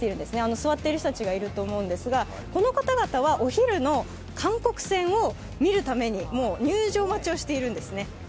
座っている人たちがいると思うんですが、この方々はお昼の韓国戦を見るために入場待ちをしているんですね。